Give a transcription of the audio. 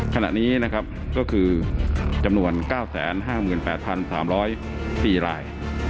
ขณะนี้ก็คือจำนวน๙๕๘๓๐๐ลาย